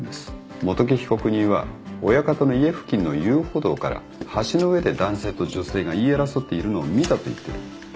元木被告人は親方の家付近の遊歩道から橋の上で男性と女性が言い争っているのを見たと言ってる。